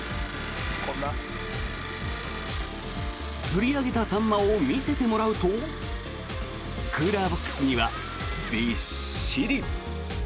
釣り上げたサンマを見せてもらうとクーラーボックスにはびっしり。